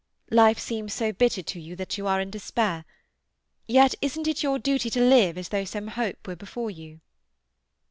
"Life seems so bitter to you that you are in despair. Yet isn't it your duty to live as though some hope were before you?"